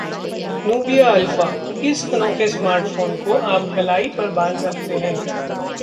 Nubia Alpha: इस अनोखे smartphone को आप कलाई पर बांध सकते हैं